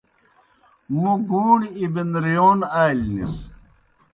موْ گُوݨیْ اِبِنرِیون آلیْ نِس۔